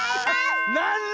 なんだ？